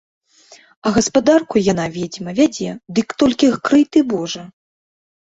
А гаспадарку яна, ведзьма, вядзе, дык толькі крый ты божа!